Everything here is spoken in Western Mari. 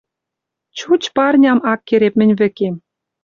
Чуч парням ак кереп мӹнь вӹкем